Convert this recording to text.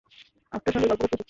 আপনার সঙ্গে গল্প করতে এসেছি।